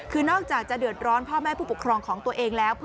คือนอกจากจะเดือดร้อนพ่อแม่ผู้ปกครองของตัวเองแล้ว